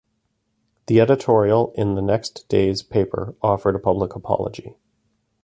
The editorial in the next day's paper offered a public apology.